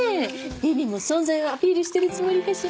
ビビも存在をアピールしてるつもりかしら。